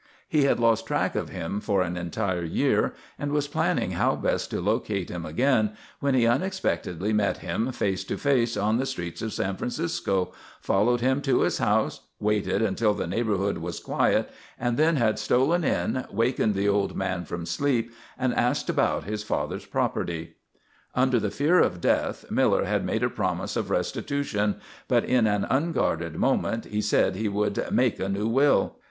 He had lost track of him for an entire year, and was planning how best to locate him again when he unexpectedly met him face to face on the streets of San Francisco, followed him to his home, waited until the neighbourhood was quiet, and then had stolen in, wakened the old man from sleep, and asked about his father's property. Under the fear of death Miller had made a promise of restitution, but in an unguarded moment he said he "would make a new will."